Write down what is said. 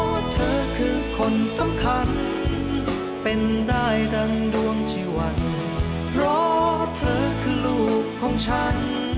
ว่าเธอคือคนสำคัญเป็นได้ดังดวงชีวันเพราะเธอคือลูกของฉัน